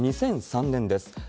２００３年です。